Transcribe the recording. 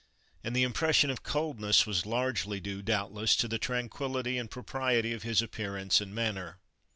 And the impression of coldness was largely due, doubtless, to the tranquillity and propriety of his appearance and manner.